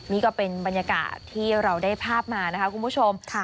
นี่ก็เป็นบรรยากาศที่เราได้ภาพมานะคะคุณผู้ชม